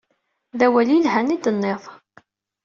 D awal i yelhan i d-tenniḍ.